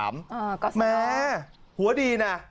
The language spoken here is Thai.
แหมหัวดีนะ